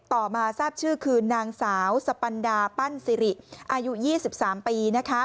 ต่อมาทราบชื่อคือนางสาวสปันดาปั้นสิริอายุ๒๓ปี